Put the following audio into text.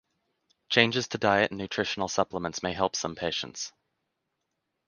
Changes to diet and nutritional supplements may help some patients.